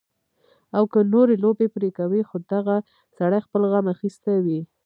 او کۀ نورې لوبې پرې کوي خو دغه سړے خپل غم اخستے وي